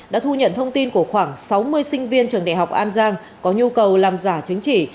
đã thu nhận thông tin của khoảng sáu mươi sinh viên trường đại học an giang có nhu cầu làm giả chứng chỉ